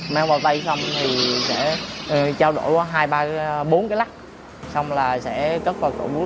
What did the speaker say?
mang vào tay xong thì sẽ trao đổi qua hai bốn cái lắc xong là sẽ cất vào cổ mút